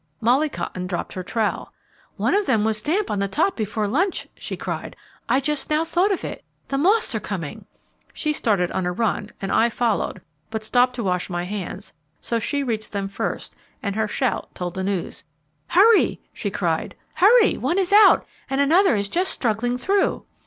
Molly Cotton dropped her trowel. "One of them was damp on the top before lunch," she cried. "I just now thought of it. The moths are coming!" She started on a run and I followed, but stopped to wash my hands, so she reached them first, and her shout told the news. "Hurry!" she cried. "Hurry! One is out, and another is just struggling through!"